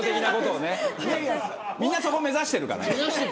みんなそこ目指してるから。